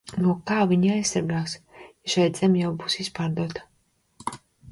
No kā tad viņi aizsargās, ja šeit zeme jau būs izpārdota?